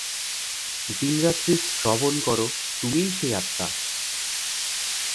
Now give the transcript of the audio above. দিনরাত্রি শ্রবণ কর, তুমিই সেই আত্মা।